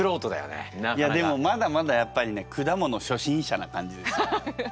でもまだまだやっぱりね果物初心者な感じですよね。